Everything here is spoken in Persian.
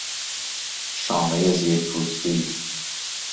شامهی زیر پوستی